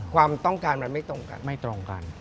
ความต้องการมันไม่ตรงกัน